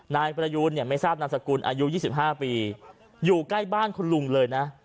นายประยูนเนี่ยไม่ทราบนามสกุลอายุ๒๕ปีอยู่ใกล้บ้านคุณลุงเลยนะ